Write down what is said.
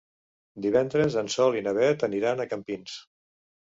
Divendres en Sol i na Beth aniran a Campins.